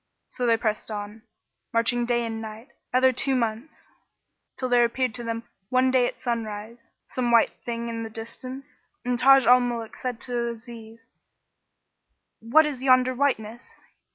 So they pressed on, marching day and night, other two months, till there appeared to them one day at sunrise some white thing in the distance and Taj al Muluk said to Aziz, "What is yonder whiteness?"